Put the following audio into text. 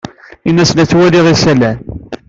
Ini-as la ttwaliɣ isalan.